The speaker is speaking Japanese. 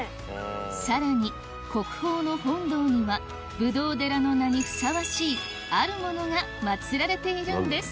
さらに国宝の本堂にはブドウ寺の名にふさわしいあるモノがまつられているんです